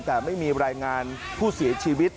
แต่ไม่มีรายงานผู้เสียชีวิต